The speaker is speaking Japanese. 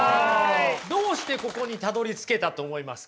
どうしてここにたどりつけたと思いますか？